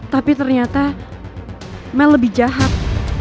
tapi ternyata mel lebih jahat